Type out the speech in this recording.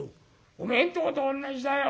おめえんとことおんなじだよ。